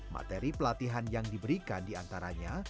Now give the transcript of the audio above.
materi pelatihan yang diberikan diantaranya